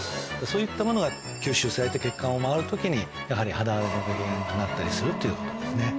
そういったものが吸収されて血管を回る時にやはり肌荒れの原因となったりするということですね。